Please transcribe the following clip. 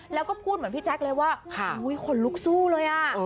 แล้วก็พูดเหมือนพี่แจ๊คเลยว่าขนลุกสู้เลยอ่ะ